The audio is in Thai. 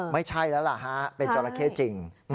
ไม่ใช่แล้วล่ะฮะเป็นจราเข้จริง